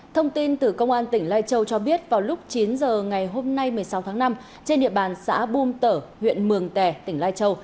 thông tin từ công an tỉnh lai châu cho biết vào lúc chín giờ ngày hôm nay một mươi sáu tháng năm trên địa bàn xã bùm tở huyện mường tè tỉnh lai châu